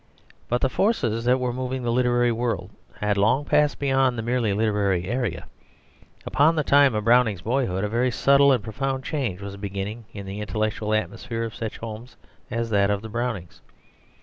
But the forces that were moving the literary world had long passed beyond the merely literary area. About the time of Browning's boyhood a very subtle and profound change was beginning in the intellectual atmosphere of such homes as that of the Brownings.